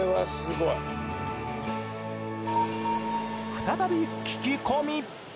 再び聞き込み。